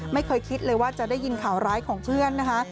ไม่เคยคิดเลยว่าจะได้ยินข่าวร้ายของเพื่อนนะคะ